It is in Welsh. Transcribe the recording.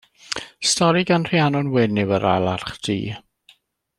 Stori gan Rhiannon Wyn yw Yr Alarch Du.